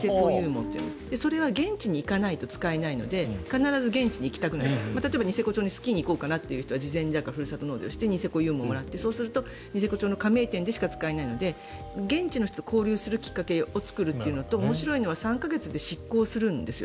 それは現地に行かないと使えないのでニセコ町にスキーに行こうという人は事前に申請してニセコ町の加盟店でしか使えないので現地の人と交流するきっかけを作るというのと面白いのは３か月で失効するんです。